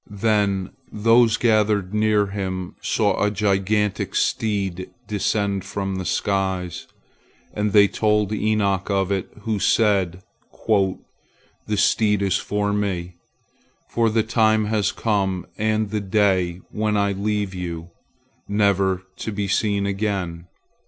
Then those gathered near him saw a gigantic steed descend from the skies, and they told Enoch of it, who said, "The steed is for me, for the time has come and the day when I leave you, never to be seen again."